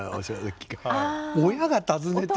親が訪ねて。